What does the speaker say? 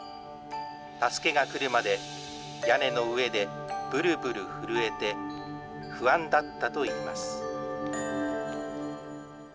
助けが来るまで、屋根の上でぶるぶる震えて、不安だったといいます。